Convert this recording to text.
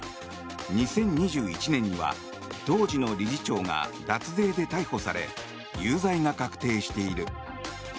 ２０２１年には当時の理事長が脱税で逮捕され有罪が確定している。